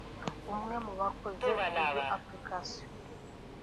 umwe mu bakoze iyo Application